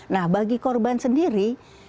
nah bagi korban sendiri